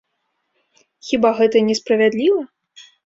Хіба гэта не справядліва?